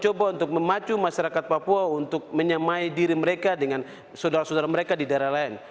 nah inilah faktor yang paling besar memicu orang orang papua bekerja begitu keras untuk menyamai diri mereka dengan saudara saudara mereka di daerah lain